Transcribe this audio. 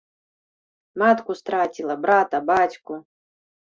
Матку страціла, брата, бацьку.